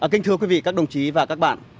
kính thưa quý vị các đồng chí và các bạn